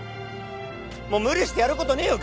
もう無理してやることねえよ